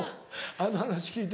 あの話聞いて。